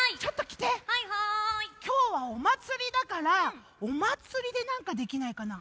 きょうはおまつりだからおまつりでなんかできないかな？